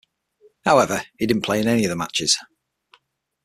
However, he didn't play in any of the matches.